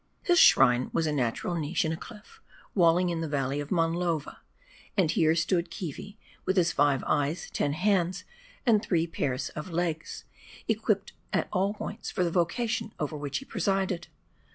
His shrine was a, natural niche m a cliff, walling in the valley of Monlova And' here stood Keevi, with his five eyes, ten hands, and three pair of legs, equipped at all points for the vocation over which he presided.